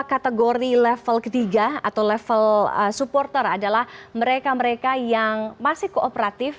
kategori level ketiga atau level supporter adalah mereka mereka yang masih kooperatif